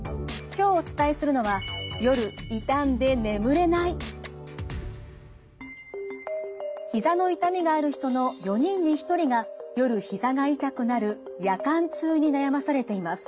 今日お伝えするのはひざの痛みがある人の４人に１人が夜ひざが痛くなる夜間痛に悩まされています。